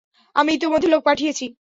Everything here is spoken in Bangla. আমি ইতিমধ্যে লোক পাঠিয়েছি।